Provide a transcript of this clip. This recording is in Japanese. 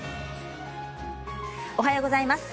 おはようございます。